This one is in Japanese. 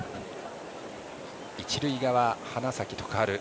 一塁側・花咲徳栄